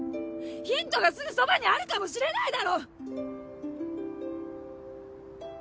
ヒントがすぐそばにあるかもしれないだろ‼